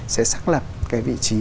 sẽ xác lập cái vị trí